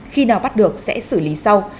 khi nào bắt được sẽ xử lý sau